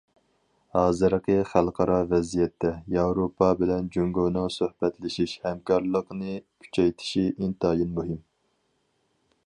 ھازىرقى خەلقئارا ۋەزىيەتتە، ياۋروپا بىلەن جۇڭگونىڭ سۆھبەتلىشىش، ھەمكارلىقنى كۈچەيتىشى ئىنتايىن مۇھىم.